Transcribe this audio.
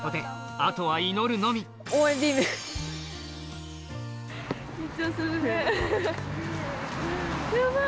あとは祈るのみヤバい！